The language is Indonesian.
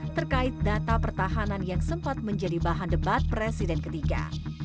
terkait data pertahanan yang sempat menjadi bahan debat presiden ketiga